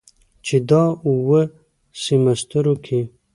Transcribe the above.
چې دا اووه سميسترو کې